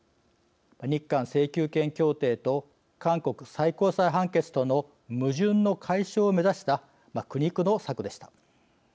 日韓請求権協定と韓国最高裁判決との矛盾の解消を目指した苦肉の策でした。